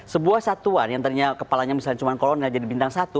sebuah satuan yang tadinya kepalanya misalnya cuma kolonel jadi bintang satu